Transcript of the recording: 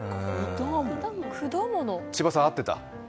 千葉さん、合ってた？